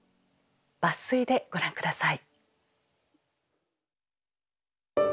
抜粋でご覧下さい。